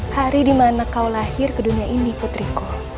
hari di mana kau lahir ke dunia ini putriku